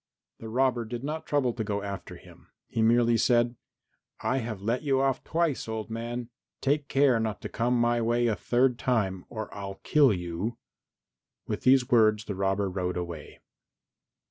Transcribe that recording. The robber did not trouble to go after him, he merely said, "I have let you off twice, old man; take care not to come my way a third time, or I'll kill you." With these words the robber rode away.